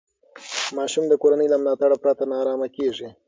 ماشوم د کورنۍ له ملاتړ پرته نارامه کېږي.